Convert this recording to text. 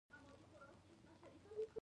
د سپي جنګول منع دي